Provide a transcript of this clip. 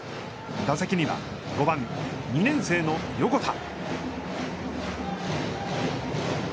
打席には５番、２年生の横田。